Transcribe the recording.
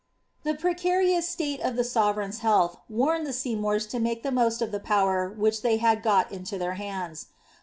The precarioos state of tki soTereign^s health warned the Seymours lo make the most of the power which they had got into their hands.